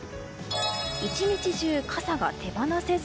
一日中、傘が手放せず。